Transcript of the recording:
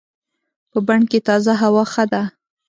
په بڼ کې تازه هوا ښه ده.